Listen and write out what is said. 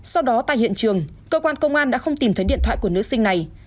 sau đó tại hiện trường cơ quan công an đã không tìm thấy điện thoại của nữ sinh này